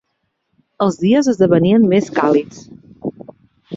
Els dies esdevenien més càlids